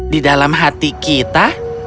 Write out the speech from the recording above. di dalam hati kita